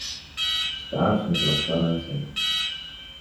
Steɛṛfen s lexṣara-nsen.